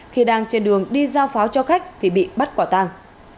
khi đang trên đường đi giao pháo cho khách thì bị bắt quả tàng